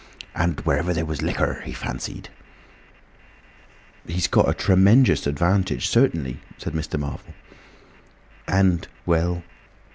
And wherever there was liquor he fancied—" "He's got a tremenjous advantage, certainly," said Mr. Marvel. "And—well..."